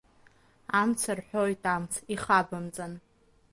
Амц рҳәоит, амц, ихабымҵан!